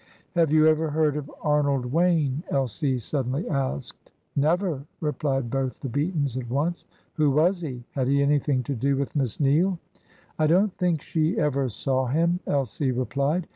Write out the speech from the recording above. "Have you ever heard of Arnold Wayne?" Elsie suddenly asked. "Never," replied both the Beatons at once. "Who was he? Had he anything to do with Miss Neale?" "I don't think she ever saw him," Elsie replied.